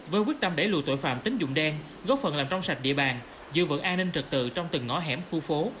với quyết tâm đẩy lùi tội phạm tính dụng đen góp phần làm trong sạch địa bàn giữ vững an ninh trật tự trong từng ngõ hẻm khu phố